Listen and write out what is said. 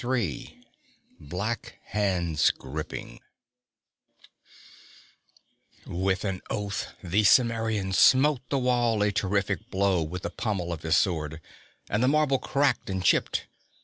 3 Black Hands Gripping With an oath the Cimmerian smote the wall a terrific blow with the pommel of his sword, and the marble cracked and chipped.